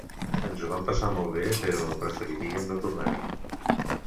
Ens ho vam passar molt bé però preferiríem no tornar-hi.